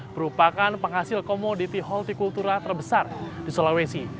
merupakan penghasil komoditi hortikultura terbesar di sulawesi